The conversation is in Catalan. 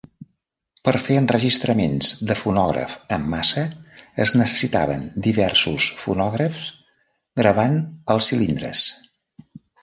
Per fer enregistraments de fonògraf en massa, es necessitaven diversos fonògrafs gravant els cilindres.